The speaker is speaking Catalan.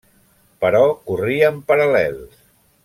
Però corrien paral·lels.